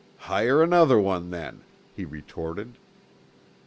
"Hire another one then," he retorted.